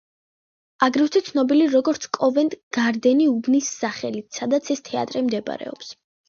აგრეთვე ცნობილი როგორც კოვენტ გარდენი, უბნის სახელით, სადაც ეს თეატრი მდებარეობს.